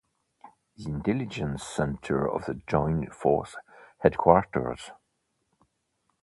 The intelligence center of the joint force headquarters.